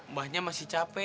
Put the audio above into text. mbahnya masih cape